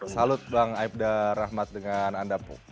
salute bang aibda rahmat dengan anda